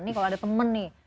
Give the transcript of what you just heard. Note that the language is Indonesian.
ini kalau ada temen nih